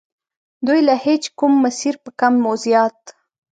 دوی له هیچ کوم مسیره په کم و زیات.